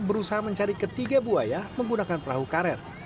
berusaha mencari ketiga buaya menggunakan perahu karet